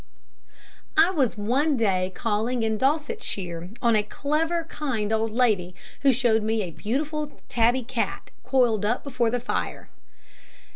I was one day calling in Dorsetshire on a clever, kind old lady, who showed me a beautiful tabby cat, coiled up before the fire.